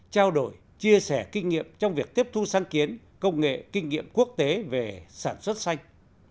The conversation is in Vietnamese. trao đổi chia sẻ kinh nghiệm trong việc tiếp thu sáng kiến công nghệ kinh nghiệm quốc tế về sản xuất xanh